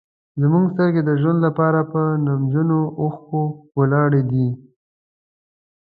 زموږ سترګې د ژوند لپاره په نمجنو اوښکو ولاړې دي.